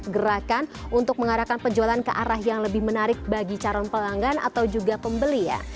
gerakan untuk mengarahkan penjualan ke arah yang lebih menarik bagi calon pelanggan atau juga pembeli ya